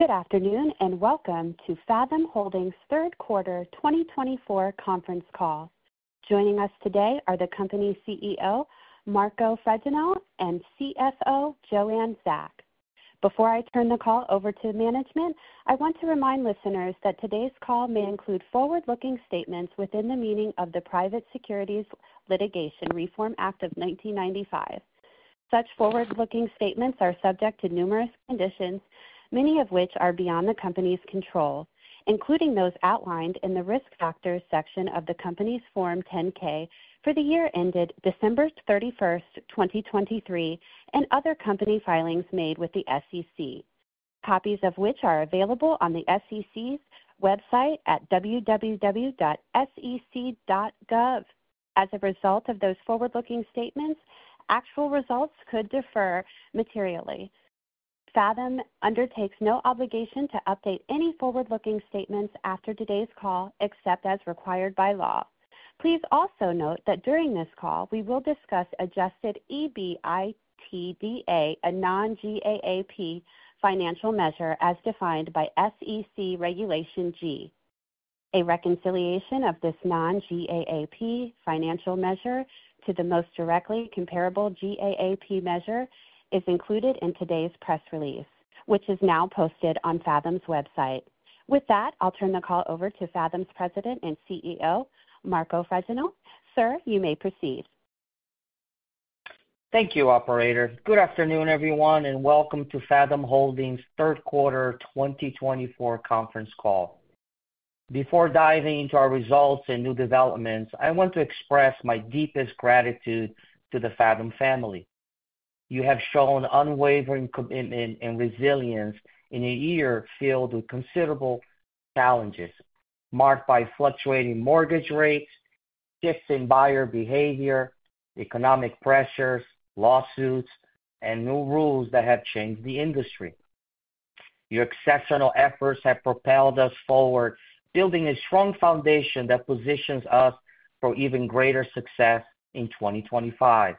Good afternoon and welcome to Fathom Holdings's third quarter 2024 conference call. Joining us today are the company's CEO, Marco Fregenal, and CFO, Joanne Zach. Before I turn the call over to management, I want to remind listeners that today's call may include forward-looking statements within the meaning of the Private Securities Litigation Reform Act of 1995. Such forward-looking statements are subject to numerous conditions, many of which are beyond the company's control, including those outlined in the risk factors section of the company's Form 10-K for the year ended December 31st, 2023, and other company filings made with the SEC, copies of which are available on the SEC's website at www.sec.gov. As a result of those forward-looking statements, actual results could differ materially. Fathom undertakes no obligation to update any forward-looking statements after today's call, except as required by law. Please also note that during this call, we will discuss Adjusted EBITDA, a non-GAAP financial measure as defined by SEC Regulation G. A reconciliation of this non-GAAP financial measure to the most directly comparable GAAP measure is included in today's press release, which is now posted on Fathom's website. With that, I'll turn the call over to Fathom's President and CEO, Marco Fregenal. Sir, you may proceed. Thank you, Operator. Good afternoon, everyone, and welcome to Fathom Holdings's third quarter 2024 conference call. Before diving into our results and new developments, I want to express my deepest gratitude to the Fathom family. You have shown unwavering commitment and resilience in a year filled with considerable challenges marked by fluctuating mortgage rates, shifts in buyer behavior, economic pressures, lawsuits, and new rules that have changed the industry. Your exceptional efforts have propelled us forward, building a strong foundation that positions us for even greater success in 2025.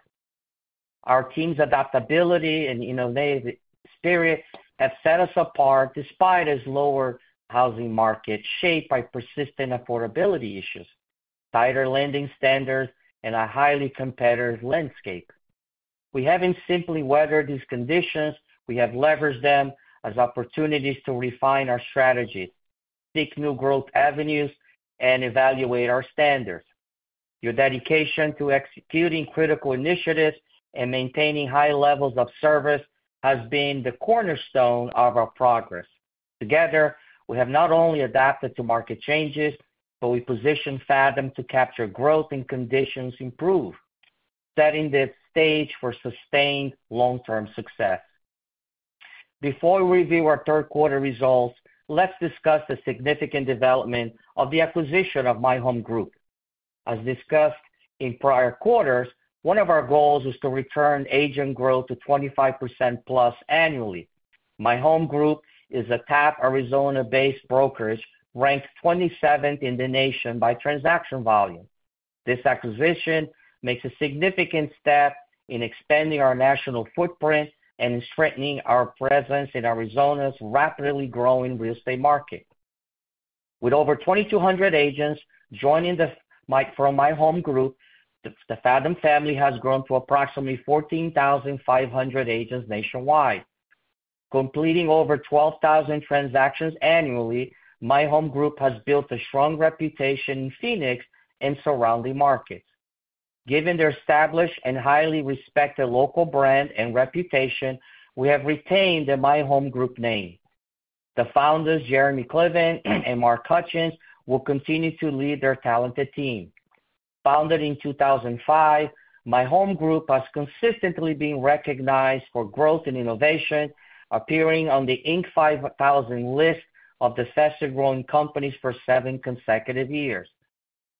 Our team's adaptability and innovative spirit have set us apart despite a slower housing market shaped by persistent affordability issues, tighter lending standards, and a highly competitive landscape. We haven't simply weathered these conditions. We have leveraged them as opportunities to refine our strategies, seek new growth avenues, and evaluate our standards. Your dedication to executing critical initiatives and maintaining high levels of service has been the cornerstone of our progress. Together, we have not only adapted to market changes, but we position Fathom to capture growth and conditions improved, setting the stage for sustained long-term success. Before we review our third quarter results, let's discuss the significant development of the acquisition of My Home Group. As discussed in prior quarters, one of our goals is to return agent growth to 25% plus annually. My Home Group is a top Arizona-based brokerage ranked 27th in the nation by transaction volume. This acquisition makes a significant step in expanding our national footprint and in strengthening our presence in Arizona's rapidly growing real estate market. With over 2,200 agents joining from My Home Group, the Fathom family has grown to approximately 14,500 agents nationwide. Completing over 12,000 transactions annually, My Home Group has built a strong reputation in Phoenix and surrounding markets. Given their established and highly respected local brand and reputation, we have retained the My Home Group name. The founders, Jeremy Kleven and Mark Hutchins, will continue to lead their talented team. Founded in 2005, My Home Group has consistently been recognized for growth and innovation, appearing on the Inc. 5000 list of the fastest-growing companies for seven consecutive years.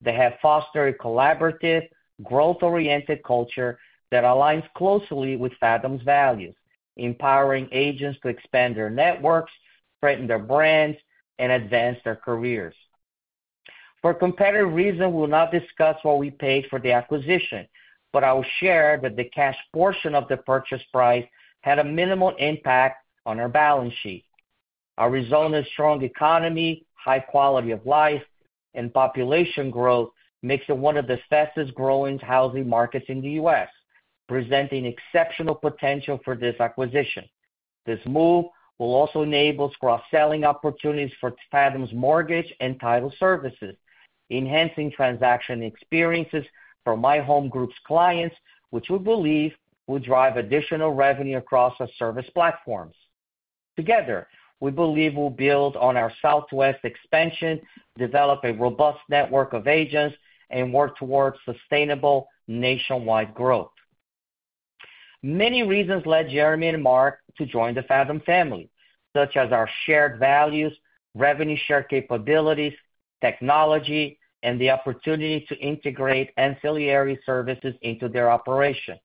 They have fostered a collaborative, growth-oriented culture that aligns closely with Fathom's values, empowering agents to expand their networks, strengthen their brands, and advance their careers. For competitive reasons, we will not discuss what we paid for the acquisition, but I will share that the cash portion of the purchase price had a minimal impact on our balance sheet. Arizona's strong economy, high quality of life, and population growth make it one of the fastest-growing housing markets in the U.S., presenting exceptional potential for this acquisition. This move will also enable cross-selling opportunities for Fathom's mortgage and title services, enhancing transaction experiences for My Home Group's clients, which we believe will drive additional revenue across our service platforms. Together, we believe we'll build on our southwest expansion, develop a robust network of agents, and work towards sustainable nationwide growth. Many reasons led Jeremy and Mark to join the Fathom family, such as our shared values, revenue share capabilities, technology, and the opportunity to integrate ancillary services into their operation.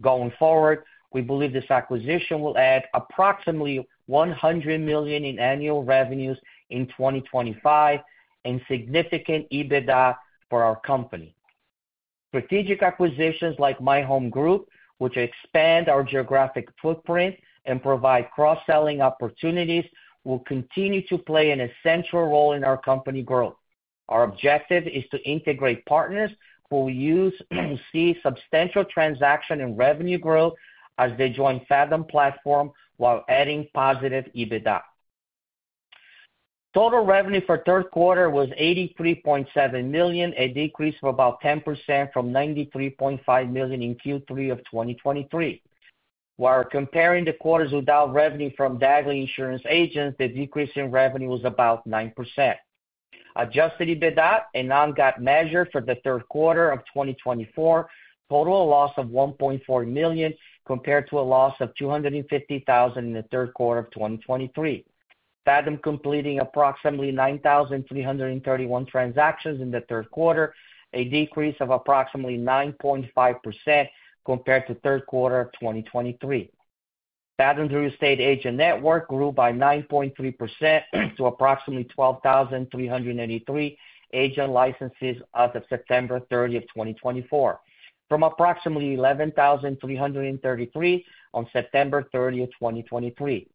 Going forward, we believe this acquisition will add approximately $100 million in annual revenues in 2025 and significant EBITDA for our company. Strategic acquisitions like My Home Group, which expand our geographic footprint and provide cross-selling opportunities, will continue to play an essential role in our company growth. Our objective is to integrate partners who will see substantial transaction and revenue growth as they join Fathom platform while adding positive EBITDA. Total revenue for third quarter was $83.7 million, a decrease of about 10% from $93.5 million in Q3 of 2023. While comparing the quarters without revenue from Dagley Insurance agents, the decrease in revenue was about 9%. Adjusted EBITDA and non-GAAP measure for the third quarter of 2024 total a loss of $1.4 million compared to a loss of $250,000 in the third quarter of 2023. Fathom completing approximately 9,331 transactions in the third quarter, a decrease of approximately 9.5% compared to third quarter of 2023. Fathom's real estate agent network grew by 9.3% to approximately 12,383 agent licenses as of September 30th, 2024, from approximately 11,333 on September 30th, 2023.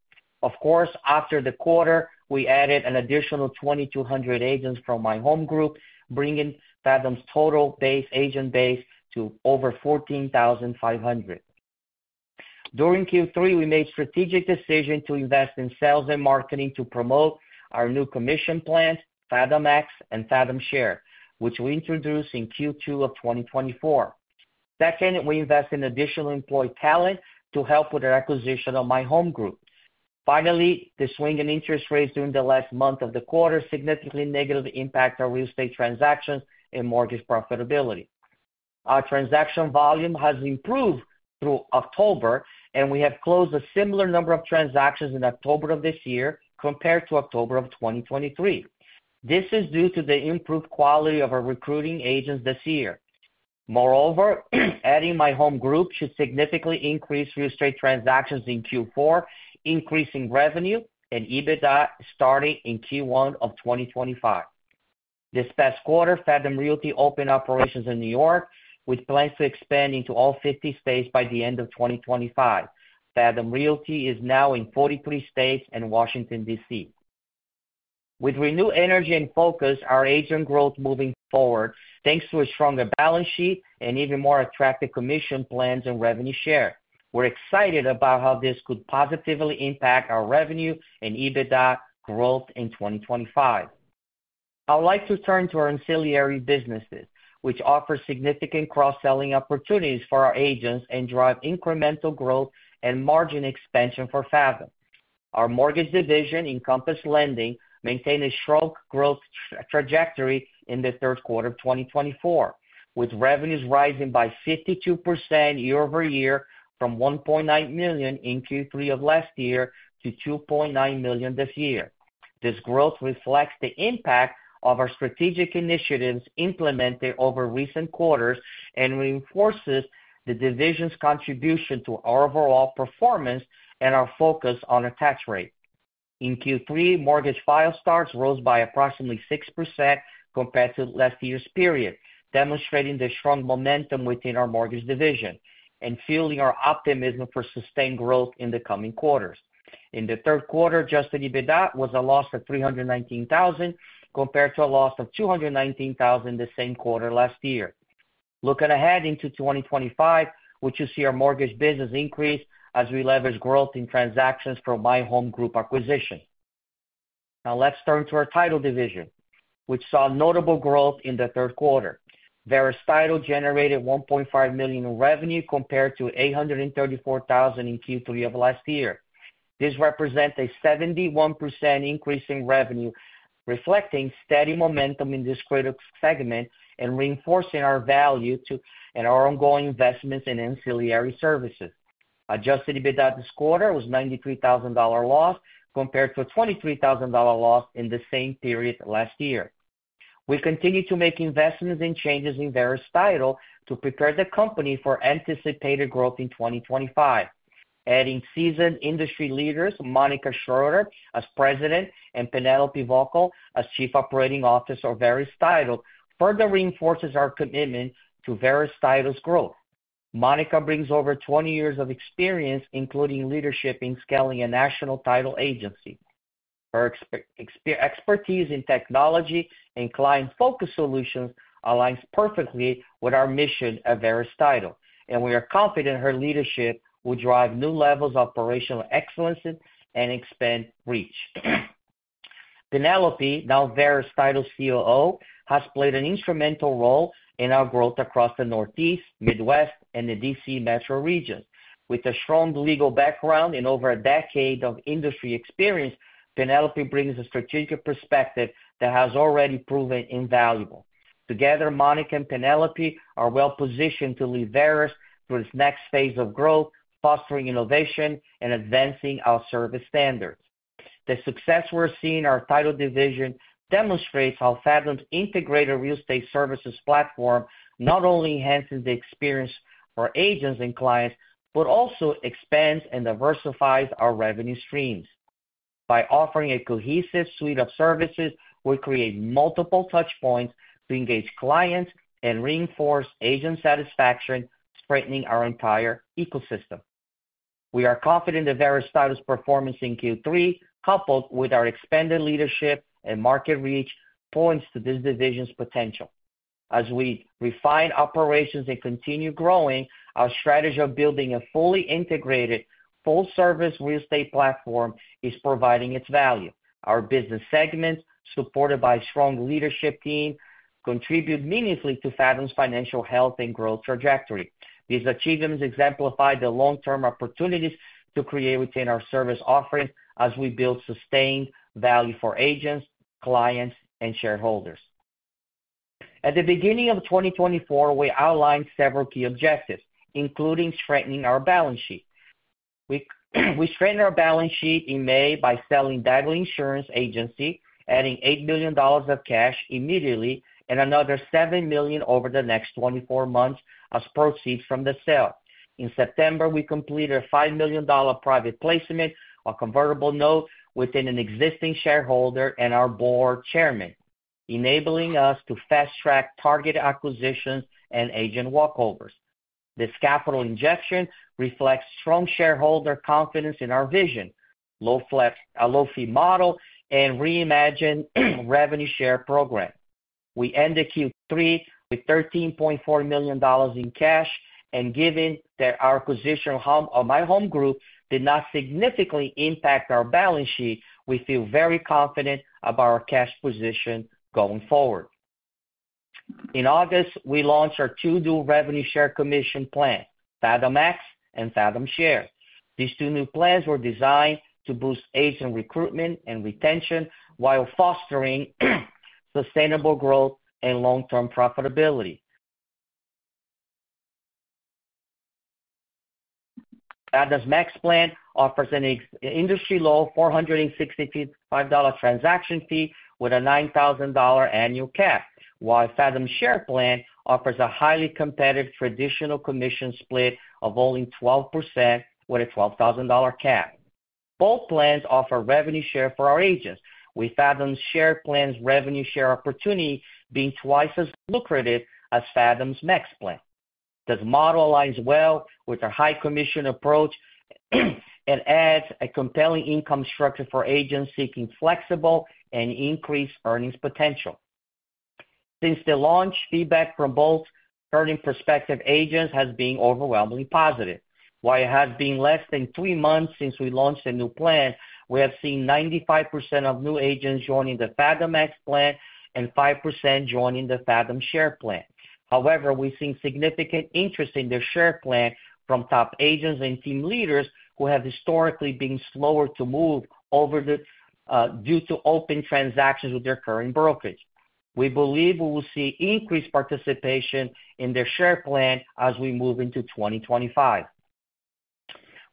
Of course, after the quarter, we added an additional 2,200 agents from My Home Group, bringing Fathom's total agent base to over 14,500. During Q3, we made strategic decisions to invest in sales and marketing to promote our new commission plans, Fathom Max and Fathom Share, which we introduced in Q2 of 2024. Second, we invest in additional employee talent to help with our acquisition of My Home Group. Finally, the swings in interest rates during the last month of the quarter significantly negatively impacted our real estate transactions and mortgage profitability. Our transaction volume has improved through October, and we have closed a similar number of transactions in October of this year compared to October of 2023. This is due to the improved quality of our recruiting agents this year. Moreover, adding My Home Group should significantly increase real estate transactions in Q4, increasing revenue and EBITDA starting in Q1 of 2025. This past quarter, Fathom Realty opened operations in New York, with plans to expand into all 50 states by the end of 2025. Fathom Realty is now in 43 states and Washington, D.C. With renewed energy and focus, our agent growth moving forward, thanks to a stronger balance sheet and even more attractive commission plans and revenue share. We're excited about how this could positively impact our revenue and EBITDA growth in 2025. I would like to turn to our ancillary businesses, which offer significant cross-selling opportunities for our agents and drive incremental growth and margin expansion for Fathom. Our mortgage division, Encompass Lending, maintained a strong growth trajectory in the third quarter of 2024, with revenues rising by 52% year-over-year, from $1.9 million in Q3 of last year to $2.9 million this year. This growth reflects the impact of our strategic initiatives implemented over recent quarters and reinforces the division's contribution to our overall performance and our focus on our tax rate. In Q3, mortgage file starts rose by approximately 6% compared to last year's period, demonstrating the strong momentum within our mortgage division and fueling our optimism for sustained growth in the coming quarters. In the third quarter, adjusted EBITDA was a loss of $319,000 compared to a loss of $219,000 the same quarter last year. Looking ahead into 2025, we should see our mortgage business increase as we leverage growth in transactions from My Home Group acquisition. Now, let's turn to our title division, which saw notable growth in the third quarter. Verus Title generated $1.5 million in revenue compared to $834,000 in Q3 of last year. This represents a 71% increase in revenue, reflecting steady momentum in this critical segment and reinforcing our value and our ongoing investments in ancillary services. Adjusted EBITDA this quarter was a $93,000 loss compared to a $23,000 loss in the same period last year. We continue to make investments and changes in Verus Title to prepare the company for anticipated growth in 2025. Adding seasoned industry leaders, Monica Schroeder as President and Penelope Vogel as Chief Operating Officer of Verus Title, further reinforces our commitment to Verus Title's growth. Monica brings over 20 years of experience, including leadership in scaling a national title agency. Her expertise in technology and client-focused solutions aligns perfectly with our mission at Verus Title, and we are confident her leadership will drive new levels of operational excellence and expand reach. Penelope, now Verus Title's COO, has played an instrumental role in our growth across the Northeast, Midwest, and the D.C. metro region. With a strong legal background and over a decade of industry experience, Penelope brings a strategic perspective that has already proven invaluable. Together, Monica and Penelope are well-positioned to lead Verus through its next phase of growth, fostering innovation and advancing our service standards. The success we're seeing in our title division demonstrates how Fathom's integrated real estate services platform not only enhances the experience for agents and clients, but also expands and diversifies our revenue streams. By offering a cohesive suite of services, we create multiple touchpoints to engage clients and reinforce agent satisfaction, strengthening our entire ecosystem. We are confident the Verus Title's performance in Q3, coupled with our expanded leadership and market reach, points to this division's potential. As we refine operations and continue growing, our strategy of building a fully integrated, full-service real estate platform is providing its value. Our business segments, supported by a strong leadership team, contribute meaningfully to Fathom's financial health and growth trajectory. These achievements exemplify the long-term opportunities to create and retain our service offerings as we build sustained value for agents, clients, and shareholders. At the beginning of 2024, we outlined several key objectives, including strengthening our balance sheet. We strengthened our balance sheet in May by selling Dagley Insurance Agency, adding $8 million of cash immediately and another $7 million over the next 24 months as proceeds from the sale. In September, we completed a $5 million private placement of convertible note within an existing shareholder and our board chairman, enabling us to fast-track target acquisitions and agent walkovers. This capital injection reflects strong shareholder confidence in our vision, low-fee model, and reimagined revenue share program. We ended Q3 with $13.4 million in cash, and given that our acquisition of My Home Group did not significantly impact our balance sheet, we feel very confident about our cash position going forward. In August, we launched our two new revenue share commission plans, Fathom Max and Fathom Share. These two new plans were designed to boost agent recruitment and retention while fostering sustainable growth and long-term profitability. Fathom's Max plan offers an industry low $465 transaction fee with a $9,000 annual cap, while Fathom Share plan offers a highly competitive traditional commission split of only 12% with a $12,000 cap. Both plans offer revenue share for our agents, with Fathom Share plan's revenue share opportunity being twice as lucrative as Fathom's Max plan. This model aligns well with our high-commission approach and adds a compelling income structure for agents seeking flexible and increased earnings potential. Since the launch, feedback from both earning perspective agents has been overwhelmingly positive. While it has been less than three months since we launched the new plan, we have seen 95% of new agents joining the Fathom Max plan and 5% joining the Fathom Share plan. However, we've seen significant interest in the Share plan from top agents and team leaders who have historically been slower to move over the year due to open transactions with their current brokers. We believe we will see increased participation in the Share plan as we move into 2025.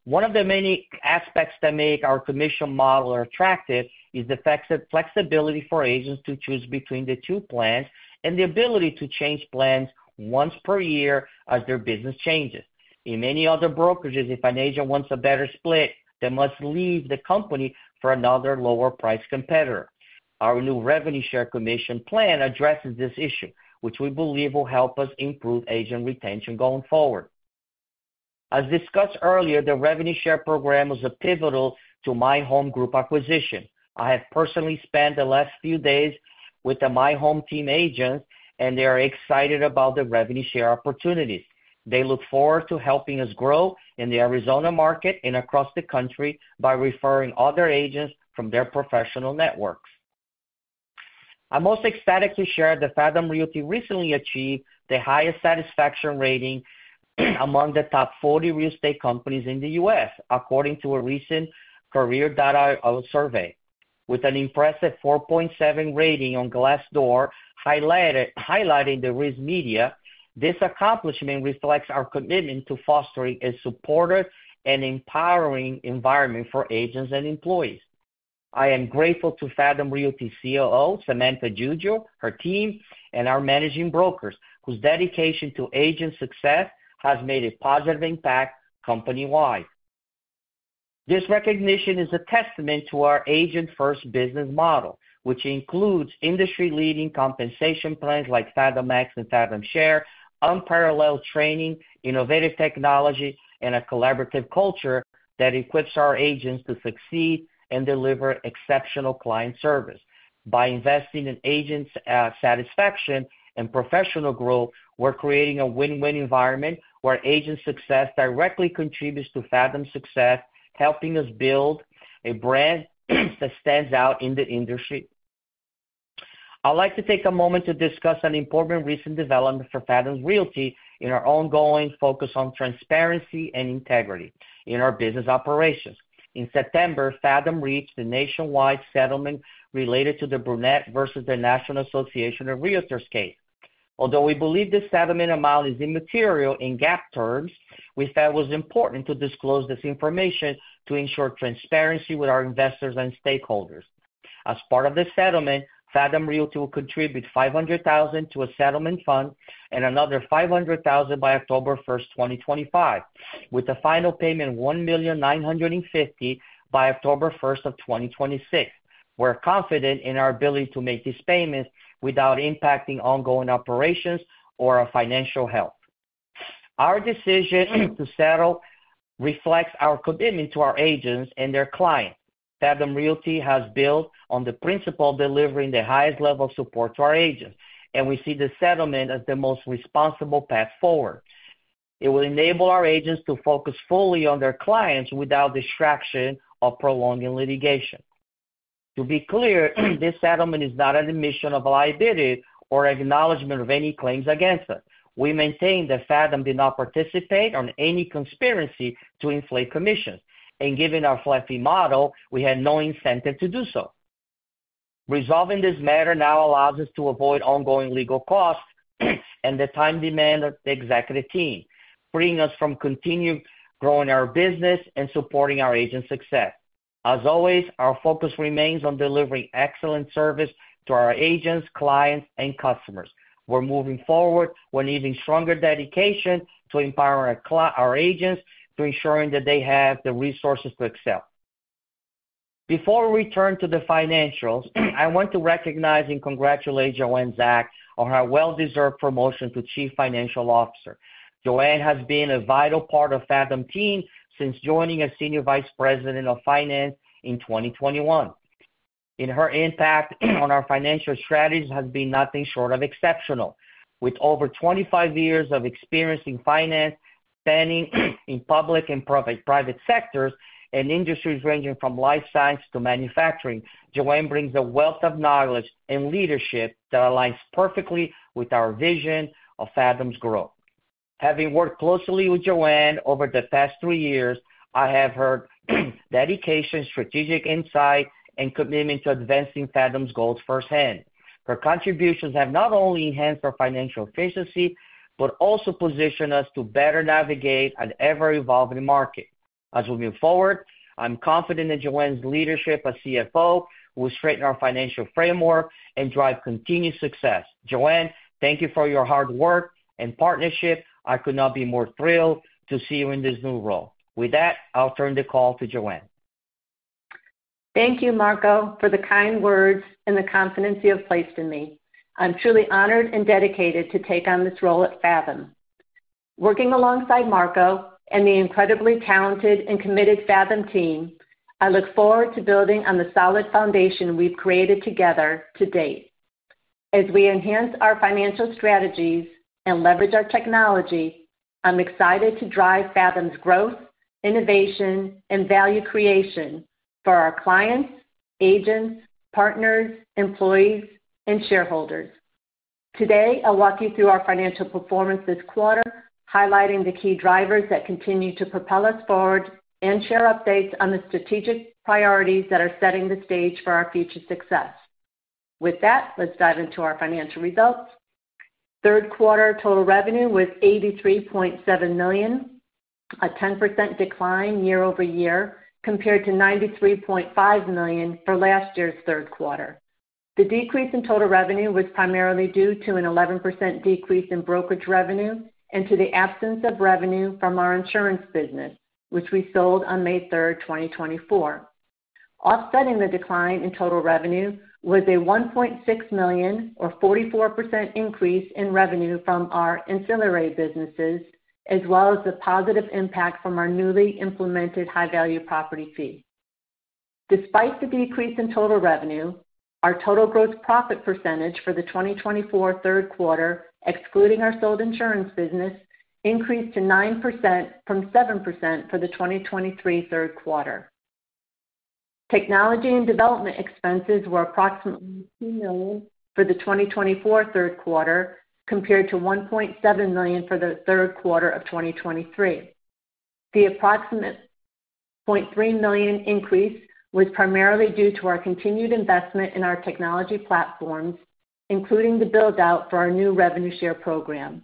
One of the many aspects that make our commission model attractive is the flexibility for agents to choose between the two plans and the ability to change plans once per year as their business changes. In many other brokerages, if an agent wants a better split, they must leave the company for another lower-priced competitor. Our new revenue share commission plan addresses this issue, which we believe will help us improve agent retention going forward. As discussed earlier, the revenue share program was a pivotal to My Home Group acquisition. I have personally spent the last few days with the My Home team agents, and they are excited about the revenue share opportunities. They look forward to helping us grow in the Arizona market and across the country by referring other agents from their professional networks. I'm most ecstatic to share that Fathom Realty recently achieved the highest satisfaction rating among the top 40 real estate companies in the U.S., according to a recent career data survey. With an impressive 4.7 rating on Glassdoor, highlighting the RISMedia, this accomplishment reflects our commitment to fostering a supportive and empowering environment for agents and employees. I am grateful to Fathom Realty COO, Samantha Giuggio, her team, and our managing brokers, whose dedication to agent success has made a positive impact company-wide. This recognition is a testament to our agent-first business model, which includes industry-leading compensation plans like Fathom Max and Fathom Share, unparalleled training, innovative technology, and a collaborative culture that equips our agents to succeed and deliver exceptional client service. By investing in agent satisfaction and professional growth, we're creating a win-win environment where agent success directly contributes to Fathom's success, helping us build a brand that stands out in the industry. I'd like to take a moment to discuss an important recent development for Fathom Realty in our ongoing focus on transparency and integrity in our business operations. In September, Fathom reached the nationwide settlement related to the Burnett vs The National Association of Realtors case. Although we believe this settlement amount is immaterial in GAAP terms, we felt it was important to disclose this information to ensure transparency with our investors and stakeholders. As part of the settlement, Fathom Realty will contribute $500,000 to a settlement fund and another $500,000 by October 1, 2025, with a final payment of $1,950,000 by October 1, 2026. We're confident in our ability to make these payments without impacting ongoing operations or our financial health. Our decision to settle reflects our commitment to our agents and their clients. Fathom Realty has built on the principle of delivering the highest level of support to our agents, and we see the settlement as the most responsible path forward. It will enable our agents to focus fully on their clients without distraction or prolonging litigation. To be clear, this settlement is not an admission of liability or acknowledgment of any claims against us. We maintain that Fathom did not participate in any conspiracy to inflate commissions, and given our flat fee model, we had no incentive to do so. Resolving this matter now allows us to avoid ongoing legal costs and the time demand of the executive team, freeing us from continuing to grow our business and supporting our agent success. As always, our focus remains on delivering excellent service to our agents, clients, and customers. We're moving forward with an even stronger dedication to empowering our agents to ensure that they have the resources to excel. Before we return to the financials, I want to recognize and congratulate Joanne Zach on her well-deserved promotion to Chief Financial Officer. Joanne has been a vital part of the Fathom team since joining as Senior Vice President of Finance in 2021. Her impact on our financial strategies has been nothing short of exceptional. With over 25 years of experience in finance, spanning public and private sectors, and industries ranging from life science to manufacturing, Joanne brings a wealth of knowledge and leadership that aligns perfectly with our vision of Fathom's growth. Having worked closely with Joanne over the past three years, I have seen her dedication, strategic insight, and commitment to advancing Fathom's goals firsthand. Her contributions have not only enhanced our financial efficiency but also positioned us to better navigate an ever-evolving market. As we move forward, I'm confident that Joanne's leadership as CFO will strengthen our financial framework and drive continued success. Joanne, thank you for your hard work and partnership. I could not be more thrilled to see you in this new role. With that, I'll turn the call to Joanne. Thank you, Marco, for the kind words and the confidence you have placed in me. I'm truly honored and dedicated to take on this role at Fathom. Working alongside Marco and the incredibly talented and committed Fathom team, I look forward to building on the solid foundation we've created together to date. As we enhance our financial strategies and leverage our technology, I'm excited to drive Fathom's growth, innovation, and value creation for our clients, agents, partners, employees, and shareholders. Today, I'll walk you through our financial performance this quarter, highlighting the key drivers that continue to propel us forward and share updates on the strategic priorities that are setting the stage for our future success. With that, let's dive into our financial results. Third quarter total revenue was $83.7 million, a 10% decline year-over-year compared to $93.5 million for last year's third quarter. The decrease in total revenue was primarily due to an 11% decrease in brokerage revenue and to the absence of revenue from our insurance business, which we sold on May 3, 2024. Offsetting the decline in total revenue was a $1.6 million, or 44% increase in revenue from our ancillary businesses, as well as the positive impact from our newly implemented High-Value Property Fee. Despite the decrease in total revenue, our total gross profit percentage for the 2024 third quarter, excluding our sold insurance business, increased to 9% from 7% for the 2023 third quarter. Technology and development expenses were approximately $2 million for the 2024 third quarter compared to $1.7 million for the third quarter of 2023. The approximate $0.3 million increase was primarily due to our continued investment in our technology platforms, including the build-out for our new revenue share program.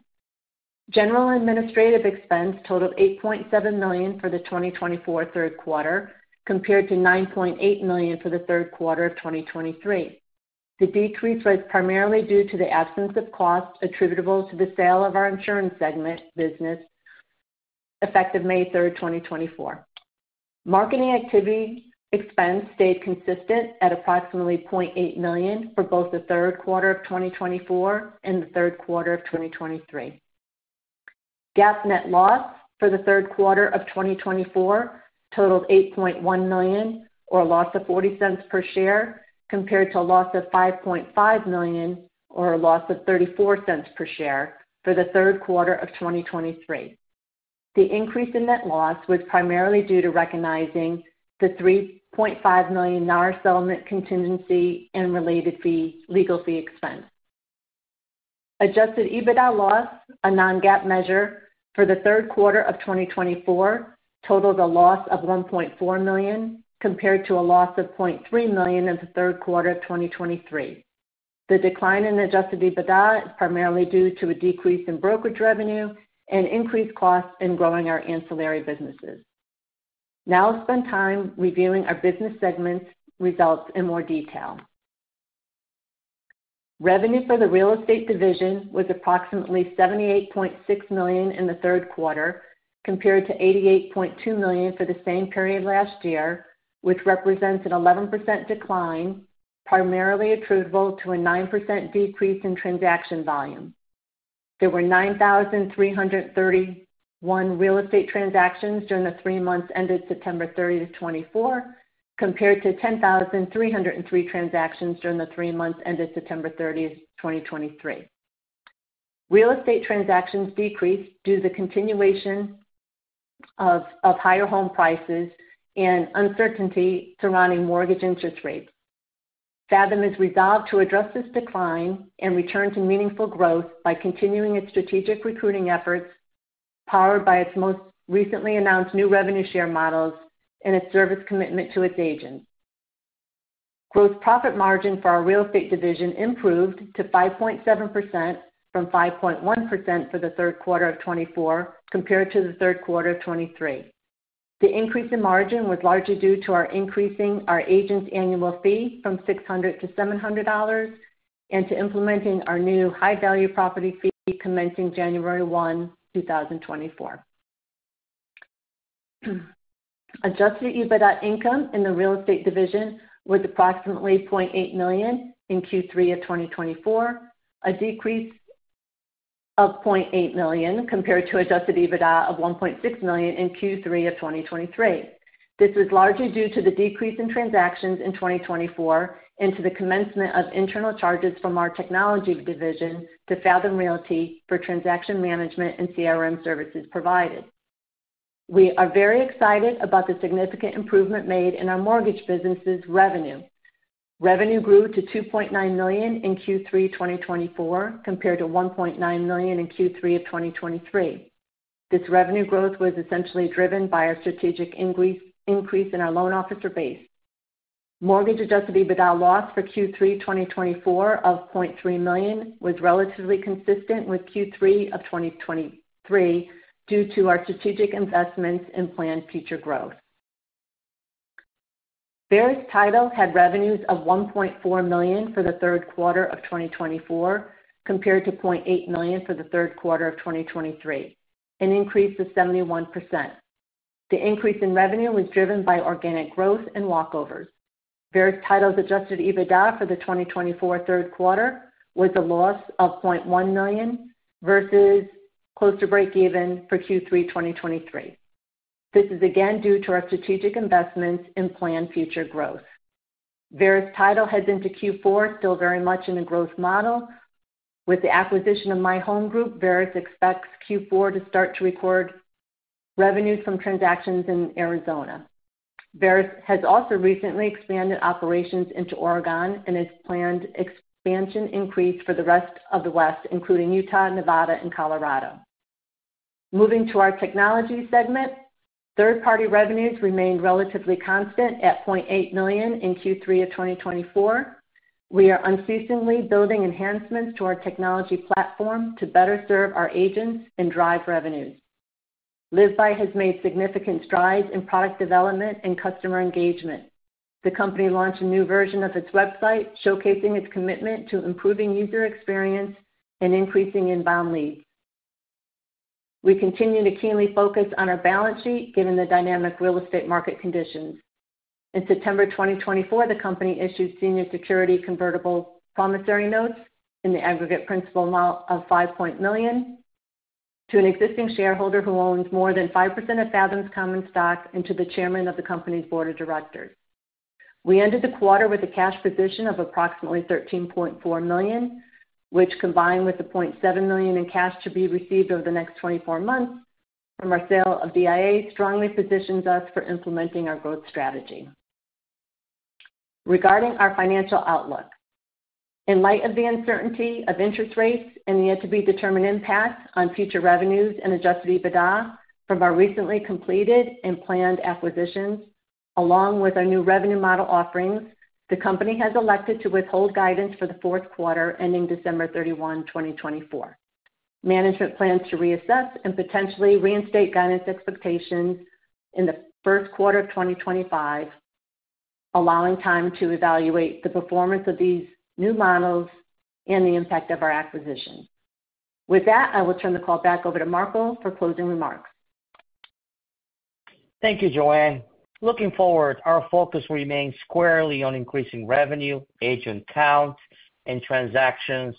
General administrative expense totaled $8.7 million for the 2024 third quarter compared to $9.8 million for the third quarter of 2023. The decrease was primarily due to the absence of costs attributable to the sale of our insurance segment business effective May 3, 2024. Marketing activity expense stayed consistent at approximately $0.8 million for both the third quarter of 2024 and the third quarter of 2023. GAAP net loss for the third quarter of 2024 totaled $8.1 million, or a loss of $0.40 per share, compared to a loss of $5.5 million, or a loss of $0.34 per share for the third quarter of 2023. The increase in net loss was primarily due to recognizing the $3.5 million settlement contingency and related legal fee expense. Adjusted EBITDA loss, a non-GAAP measure for the third quarter of 2024, totaled a loss of $1.4 million compared to a loss of $0.3 million in the third quarter of 2023. The decline in adjusted EBITDA is primarily due to a decrease in brokerage revenue and increased costs in growing our ancillary businesses. Now I'll spend time reviewing our business segment results in more detail. Revenue for the real estate division was approximately $78.6 million in the third quarter compared to $88.2 million for the same period last year, which represents an 11% decline, primarily attributable to a 9% decrease in transaction volume. There were 9,331 real estate transactions during the three months ended September 30, 2024, compared to 10,303 transactions during the three months ended September 30, 2023. Real estate transactions decreased due to the continuation of higher home prices and uncertainty surrounding mortgage interest rates. Fathom has resolved to address this decline and return to meaningful growth by continuing its strategic recruiting efforts powered by its most recently announced new revenue share models and its service commitment to its agents. Gross profit margin for our real estate division improved to 5.7% from 5.1% for the third quarter of 2024 compared to the third quarter of 2023. The increase in margin was largely due to our increasing our agent's annual fee from $600-$700 and to implementing our new High-Value Property Fee commencing January 1, 2024. Adjusted EBITDA income in the real estate division was approximately $0.8 million in Q3 of 2024, a decrease of $0.8 million compared to adjusted EBITDA of $1.6 million in Q3 of 2023. This was largely due to the decrease in transactions in 2024 and to the commencement of internal charges from our technology division to Fathom Realty for transaction management and CRM services provided. We are very excited about the significant improvement made in our mortgage business's revenue. Revenue grew to $2.9 million in Q3 2024 compared to $1.9 million in Q3 of 2023. This revenue growth was essentially driven by a strategic increase in our loan officer base. Mortgage Adjusted EBITDA loss for Q3 2024 of $0.3 million was relatively consistent with Q3 of 2023 due to our strategic investments and planned future growth. Verus Title had revenues of $1.4 million for the third quarter of 2024 compared to $0.8 million for the third quarter of 2023, an increase of 71%. The increase in revenue was driven by organic growth and walkovers. Fathom Realty's adjusted EBITDA for the 2024 third quarter was a loss of $0.1 million versus close to break-even for Q3 2023. This is again due to our strategic investments and planned future growth. Fathom Realty heads into Q4 still very much in the growth model. With the acquisition of My Home Group, Fathom expects Q4 to start to record revenues from transactions in Arizona. Fathom has also recently expanded operations into Oregon and has planned expansion increase for the rest of the West, including Utah, Nevada, and Colorado. Moving to our technology segment, third-party revenues remained relatively constant at $0.8 million in Q3 of 2024. We are unceasingly building enhancements to our technology platform to better serve our agents and drive revenues. LiveBy has made significant strides in product development and customer engagement. The company launched a new version of its website showcasing its commitment to improving user experience and increasing inbound leads. We continue to keenly focus on our balance sheet given the dynamic real estate market conditions. In September 2024, the company issued senior security convertible promissory notes in the aggregate principal amount of $5.0 million to an existing shareholder who owns more than 5% of Fathom's common stock and to the chairman of the company's board of directors. We ended the quarter with a cash position of approximately $13.4 million, which, combined with the $0.7 million in cash to be received over the next 24 months from our sale of DIA, strongly positions us for implementing our growth strategy. Regarding our financial outlook, in light of the uncertainty of interest rates and the yet-to-be-determined impact on future revenues and adjusted EBITDA from our recently completed and planned acquisitions, along with our new revenue model offerings, the company has elected to withhold guidance for the fourth quarter ending December 31, 2024. Management plans to reassess and potentially reinstate guidance expectations in the first quarter of 2025, allowing time to evaluate the performance of these new models and the impact of our acquisition. With that, I will turn the call back over to Marco for closing remarks. Thank you, Joanne. Looking forward, our focus will remain squarely on increasing revenue, agent count, and transactions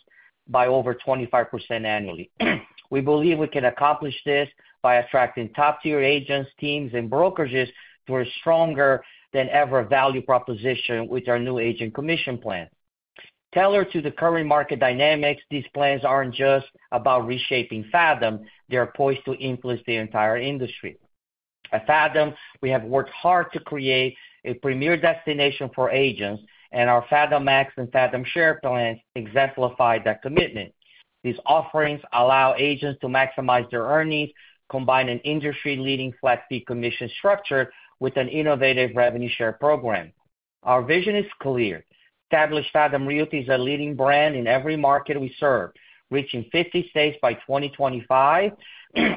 by over 25% annually. We believe we can accomplish this by attracting top-tier agents, teams, and brokerages to a stronger-than-ever value proposition with our new agent commission plan. Tethered to the current market dynamics, these plans aren't just about reshaping Fathom. They're poised to influence the entire industry. At Fathom, we have worked hard to create a premier destination for agents, and our Fathom Max and Fathom Share plans exemplify that commitment. These offerings allow agents to maximize their earnings, combining industry-leading flat fee commission structure with an innovative revenue share program. Our vision is clear: Established Fathom Realty is a leading brand in every market we serve, reaching 50 states by 2025,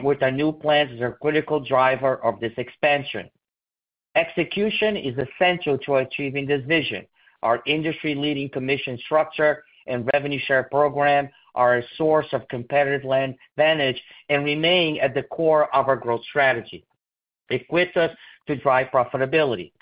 with our new plans as a critical driver of this expansion. Execution is essential to achieving this vision. Our industry-leading commission structure and revenue share program are a source of competitive advantage and remain at the core of our growth strategy. It equips us to drive profitability.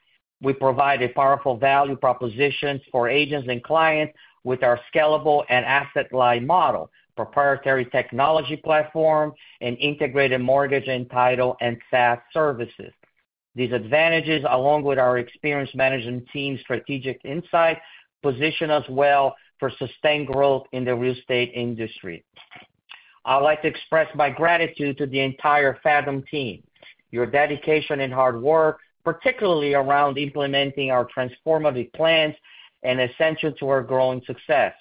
We provide a powerful value proposition for agents and clients with our scalable and asset-light model, proprietary technology platform, and integrated mortgage and title and SaaS services. These advantages, along with our experienced management team's strategic insight, position us well for sustained growth in the real estate industry. I'd like to express my gratitude to the entire Fathom team. Your dedication and hard work, particularly around implementing our transformative plans, are essential to our growing success.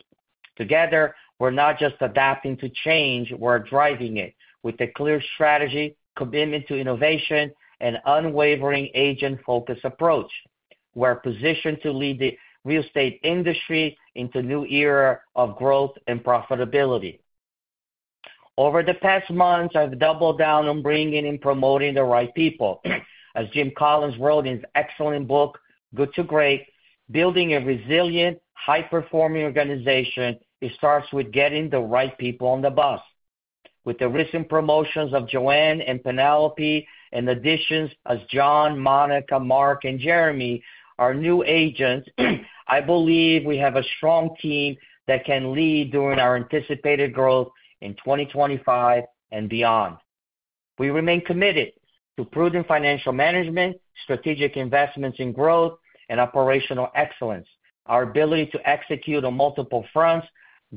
Together, we're not just adapting to change. We're driving it with a clear strategy, commitment to innovation, and an unwavering agent-focused approach. We're positioned to lead the real estate industry into a new era of growth and profitability. Over the past months, I've doubled down on bringing in and promoting the right people. As Jim Collins wrote in his excellent book, Good to Great, "Building a Resilient, High-Performing Organization," it starts with getting the right people on the bus. With the recent promotions of Joanne and Penelope and additions as Jon, Monica, Mark, and Jeremy, our new agents, I believe we have a strong team that can lead during our anticipated growth in 2025 and beyond. We remain committed to prudent financial management, strategic investments in growth, and operational excellence. Our ability to execute on multiple fronts,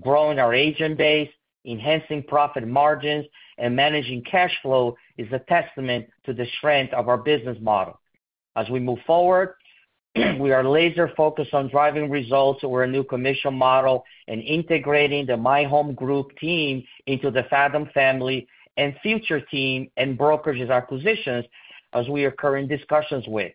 growing our agent base, enhancing profit margins, and managing cash flow is a testament to the strength of our business model. As we move forward, we are laser-focused on driving results through our new commission model and integrating the My Home Group team into the Fathom family and future team and brokerage acquisitions as we are currently in discussions with.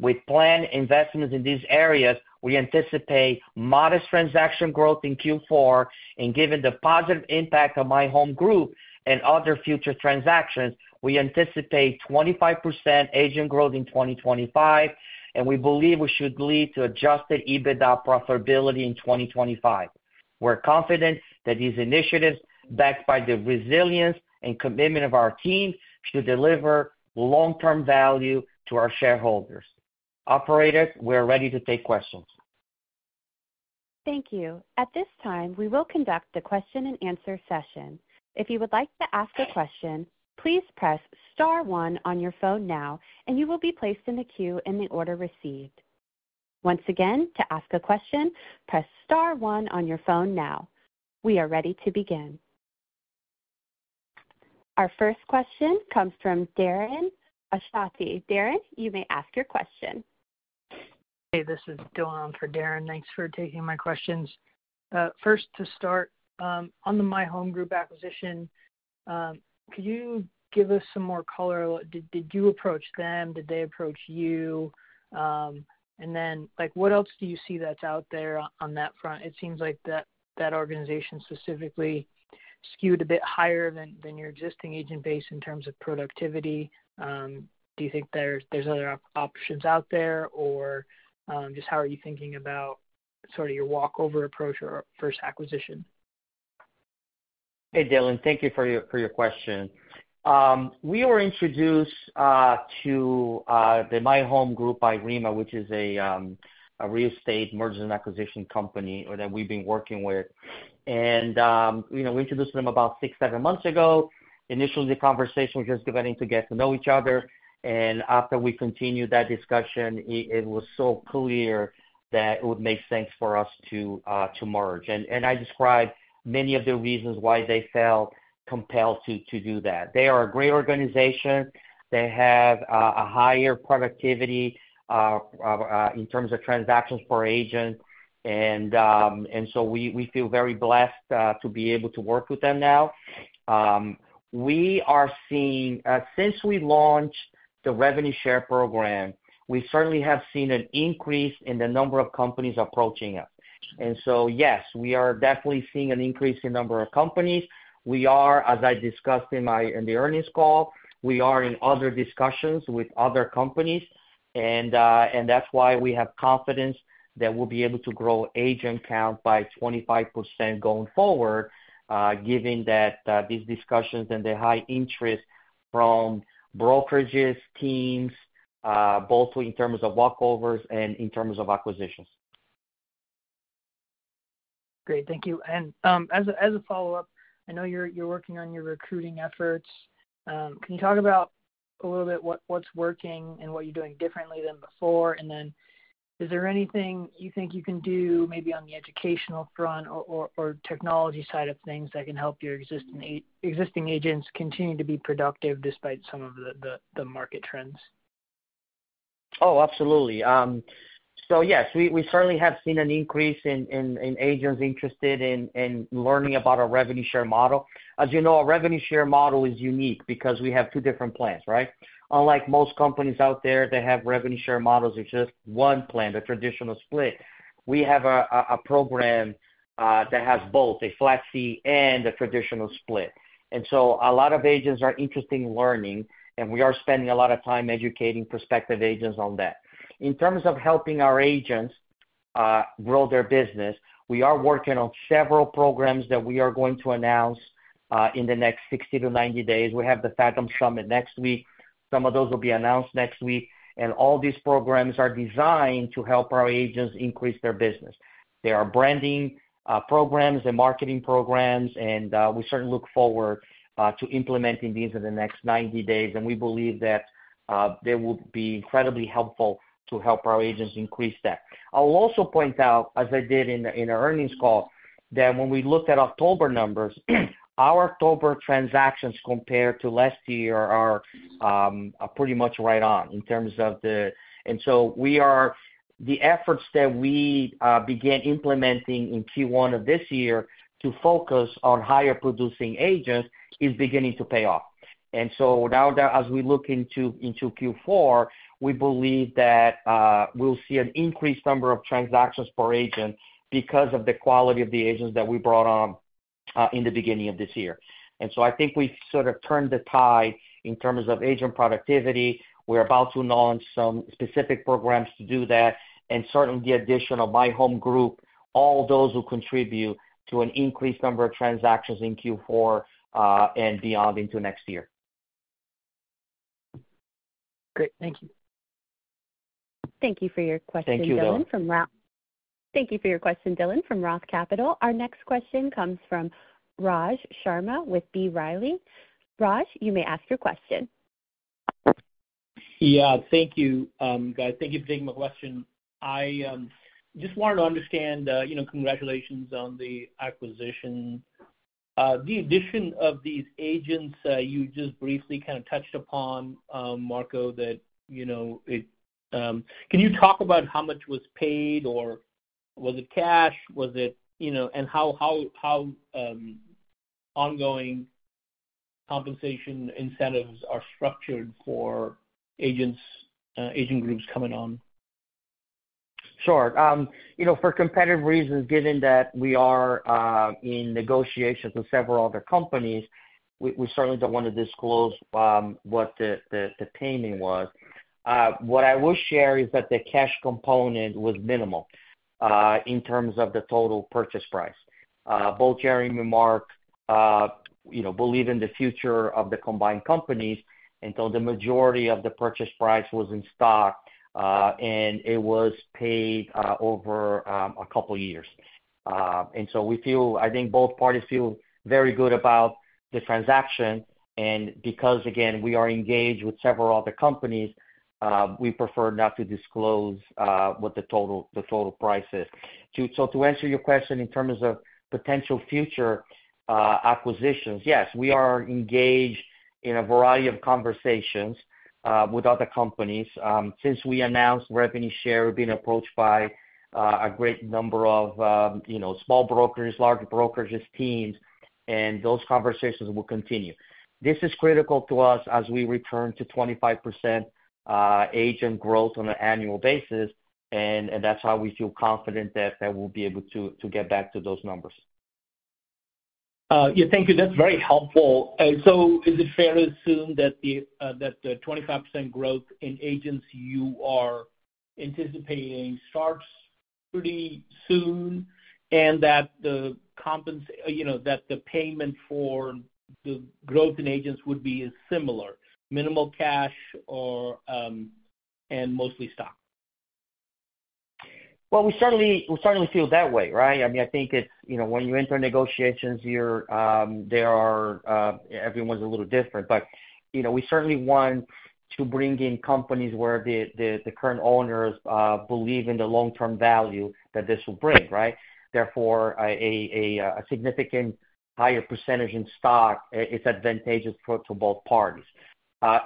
With planned investments in these areas, we anticipate modest transaction growth in Q4, and given the positive impact of My HomeGroup and other future transactions, we anticipate 25% agent growth in 2025, and we believe we should lead to adjusted EBITDA profitability in 2025. We're confident that these initiatives, backed by the resilience and commitment of our team, should deliver long-term value to our shareholders. Operators, we are ready to take questions. Thank you. At this time, we will conduct the question-and-answer session. If you would like to ask a question, please press star one on your phone now, and you will be placed in the queue in the order received. Once again, to ask a question, press star one on your phone now. We are ready to begin. Our first question comes from Darren Aftahi. Darren, you may ask your question. Hey, this is Dillon for Darren. Thanks for taking my questions. First, to start, on the My Home Group acquisition, could you give us some more color? Did you approach them? Did they approach you? And then, what else do you see that's out there on that front? It seems like that organization specifically skewed a bit higher than your existing agent base in terms of productivity. Do you think there's other options out there, or just how are you thinking about sort of your walkover approach or first acquisition? Hey, Dillon, thank you for your question. We were introduced to the My Home Group by REMA, which is a real estate mergers and acquisitions company that we've been working with. And we introduced them about six, seven months ago. Initially, the conversation was just getting to know each other. And after we continued that discussion, it was so clear that it would make sense for us to merge. And I described many of the reasons why they felt compelled to do that. They are a great organization. They have a higher productivity in terms of transactions per agent. And so we feel very blessed to be able to work with them now. We are seeing, since we launched the revenue share program, we certainly have seen an increase in the number of companies approaching us. And so, yes, we are definitely seeing an increase in the number of companies. We are, as I discussed in the earnings call, we are in other discussions with other companies. And that's why we have confidence that we'll be able to grow agent count by 25% going forward, given that these discussions and the high interest from brokerages, teams, both in terms of walkovers and in terms of acquisitions. Great. Thank you. And as a follow-up, I know you're working on your recruiting efforts. Can you talk about a little bit what's working and what you're doing differently than before? And then, is there anything you think you can do maybe on the educational front or technology side of things that can help your existing agents continue to be productive despite some of the market trends? Oh, absolutely. So, yes, we certainly have seen an increase in agents interested in learning about our revenue share model. As you know, our revenue share model is unique because we have two different plans, right? Unlike most companies out there, they have revenue share models in just one plan, the traditional split. We have a program that has both a flat fee and a traditional split, and so a lot of agents are interested in learning, and we are spending a lot of time educating prospective agents on that. In terms of helping our agents grow their business, we are working on several programs that we are going to announce in the next 60-90 days. We have the Fathom Summit next week. Some of those will be announced next week, and all these programs are designed to help our agents increase their business. There are branding programs and marketing programs, and we certainly look forward to implementing these in the next 90 days, and we believe that they will be incredibly helpful to help our agents increase that. I'll also point out, as I did in our earnings call, that when we looked at October numbers, our October transactions compared to last year are pretty much right on in terms of the efforts that we began implementing in Q1 of this year to focus on higher-producing agents is beginning to pay off. And so now, as we look into Q4, we believe that we'll see an increased number of transactions per agent because of the quality of the agents that we brought on in the beginning of this year. And so I think we've sort of turned the tide in terms of agent productivity. We're about to launch some specific programs to do that. And certainly, the addition of My Home Group, all those will contribute to an increased number of transactions in Q4 and beyond into next year. Great. Thank you. Thank you for your question, Dillon. Thank you, Dillon. Thank you for your question, Dillon, from Roth Capital. Our next question comes from Raj Sharma with B. Riley. Raj, you may ask your question. Yeah. Thank you, guys. Thank you for taking my question. I just wanted to understand. Congratulations on the acquisition. The addition of these agents, you just briefly kind of touched upon, Marco, that it. Can you talk about how much was paid? Or was it cash? Was it, and how ongoing compensation incentives are structured for agent groups coming on? Sure. For competitive reasons, given that we are in negotiations with several other companies, we certainly don't want to disclose what the payment was. What I will share is that the cash component was minimal in terms of the total purchase price. Both Jeremy and Mark believe in the future of the combined companies, and so the majority of the purchase price was in stock, and it was paid over a couple of years, and so we feel. I think both parties feel very good about the transaction, and because, again, we are engaged with several other companies, we prefer not to disclose what the total price is, so to answer your question in terms of potential future acquisitions, yes, we are engaged in a variety of conversations with other companies. Since we announced revenue share, we've been approached by a great number of small brokers, large brokers, and teams, and those conversations will continue. This is critical to us as we return to 25% agent growth on an annual basis, and that's how we feel confident that we'll be able to get back to those numbers. Yeah. Thank you. That's very helpful. And so is it fair to assume that the 25% growth in agents you are anticipating starts pretty soon and that the payment for the growth in agents would be similar: minimal cash and mostly stock? Well, we certainly feel that way, right? I mean, I think when you enter negotiations, everyone's a little different. But we certainly want to bring in companies where the current owners believe in the long-term value that this will bring, right? Therefore, a significant higher percentage in stock is advantageous to both parties.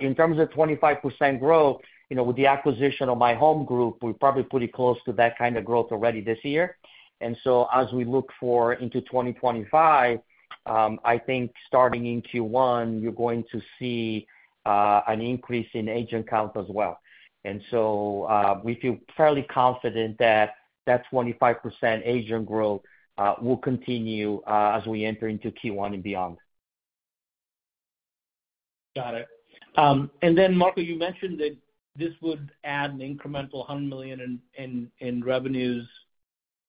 In terms of 25% growth, with the acquisition of My Home Group, we're probably pretty close to that kind of growth already this year. And so as we look forward into 2025, I think starting in Q1, you're going to see an increase in agent count as well. And so we feel fairly confident that that 25% agent growth will continue as we enter into Q1 and beyond. Got it. And then, Marco, you mentioned that this would add an incremental $100 million in revenues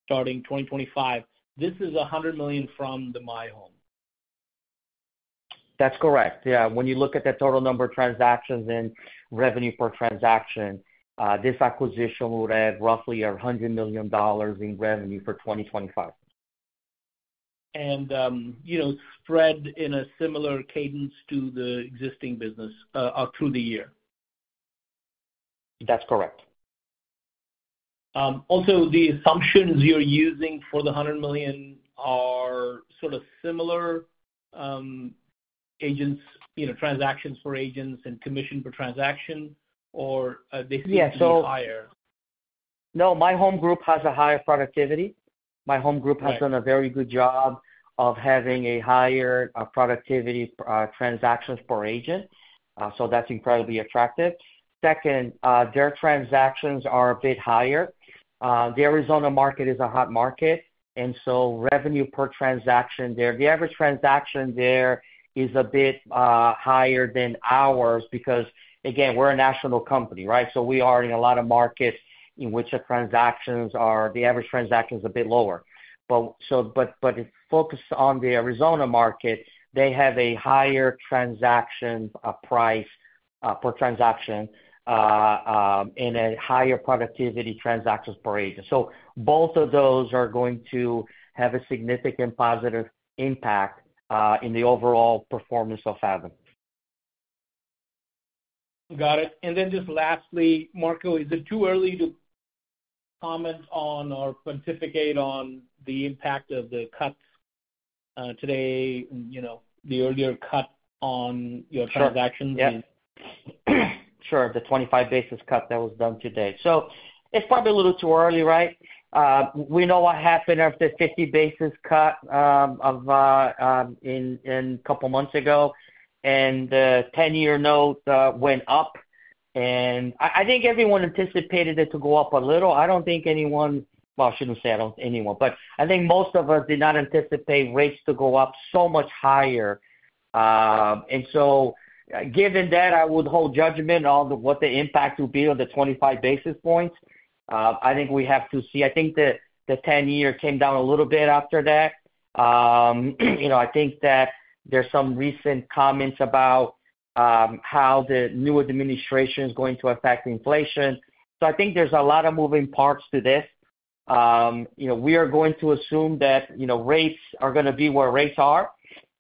starting 2025. This is $100 million from the My Home Group. That's correct. Yeah. When you look at the total number of transactions and revenue per transaction, this acquisition would add roughly $100 million in revenue for 2025. And spread in a similar cadence to the existing business through the year. That's correct. Also, the assumptions you're using for the $100 million are sort of similar transactions for agents and commission per transaction, or are they significantly higher? Yeah. So no, My Home Group has a higher productivity. My Home Group has done a very good job of having a higher productivity transactions per agent. So that's incredibly attractive. Second, their transactions are a bit higher. The Arizona market is a hot market, and so revenue per transaction there, the average transaction there is a bit higher than ours because, again, we're a national company, right? So we are in a lot of markets in which the average transaction is a bit lower. But focused on the Arizona market, they have a higher transaction price per transaction and a higher productivity transactions per agent. So both of those are going to have a significant positive impact in the overall performance of Fathom. Got it. And then just lastly, Marco, is it too early to comment on or pontificate on the impact of the cuts today, the earlier cut on your transactions? Yeah. Sure. The 25 basis points cut that was done today. So it's probably a little too early, right? We know what happened after the 50 basis cut a couple of months ago, and the 10-year note went up, and I think everyone anticipated it to go up a little. I don't think anyone, well, I shouldn't say anyone, but I think most of us did not anticipate rates to go up so much higher, and so given that, I would hold judgment on what the impact will be on the 25 basis points. I think we have to see. I think the 10-year came down a little bit after that. I think that there's some recent comments about how the new administration is going to affect inflation, so I think there's a lot of moving parts to this. We are going to assume that rates are going to be where rates are,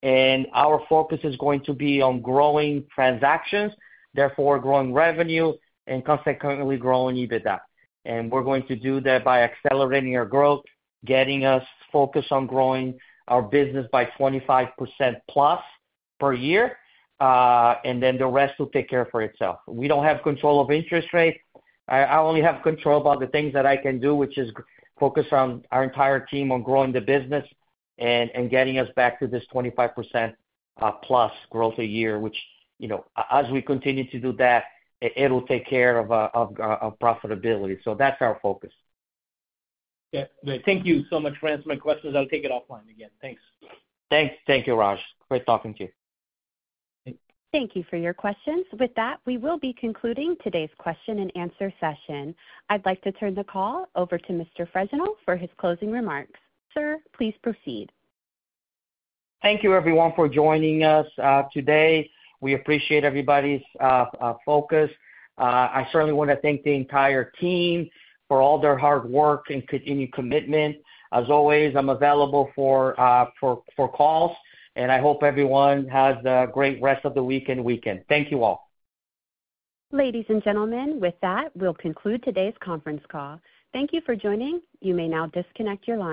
and our focus is going to be on growing transactions, therefore growing revenue, and consequently growing EBITDA. And we're going to do that by accelerating our growth, getting us focused on growing our business by 25% plus per year, and then the rest will take care of itself. We don't have control of interest rates. I only have control about the things that I can do, which is focus on our entire team on growing the business and getting us back to this 25% plus growth a year, which as we continue to do that, it'll take care of profitability. So that's our focus. Yeah. Great. Thank you so much for answering my questions. I'll take it offline again. Thanks. Thank you, Raj. Great talking to you. Thank you for your questions. With that, we will be concluding today's question-and-answer session. I'd like to turn the call over to Mr. Fregenal for his closing remarks. Sir, please proceed. Thank you, everyone, for joining us today. We appreciate everybody's focus. I certainly want to thank the entire team for all their hard work and continued commitment. As always, I'm available for calls, and I hope everyone has a great rest of the week and weekend. Thank you all. Ladies and gentlemen, with that, we'll conclude today's conference call. Thank you for joining. You may now disconnect your line.